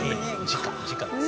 時価です。